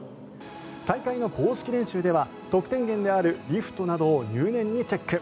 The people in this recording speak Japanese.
大会の公式練習では得点源であるリフトなどを入念にチェック。